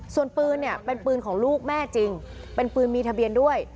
ส่วนปืนเนี่ยเป็นปืนของลูกแม่จริงเป็นปืนมีทะเบียนด้วย